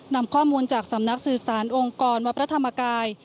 นำข้อมูลจากสำนักสื่อสารองค์กรวัดพระธรรมกาย